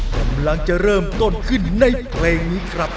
กำลังจะเริ่มต้นขึ้นในเพลงนี้ครับ